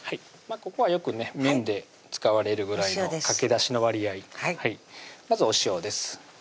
ここはよくね麺で使われるぐらいのかけだしの割合はいまずお塩です